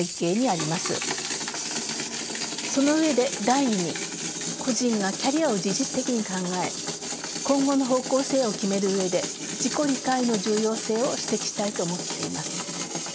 その上で第２に個人がキャリアを自律的に考え今後の方向性を決める上で自己理解の重要性を指摘したいと思っています。